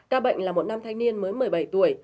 ca bệnh là một nam thanh niên mới một mươi bảy tuổi